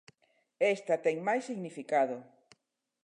Esta ten máis significado.